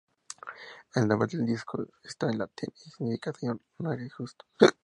El nombre del disco está en latín y significa "Señor, no eres justo".